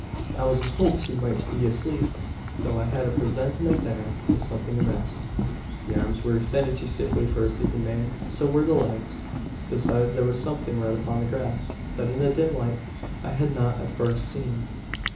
"I was in hopes he might be asleep; though I had a presentiment there was something amiss. The arms were extended too stiffly for a sleeping man. So were the legs. Besides, there was something red upon the grass, that in the dim light I had not at first seen.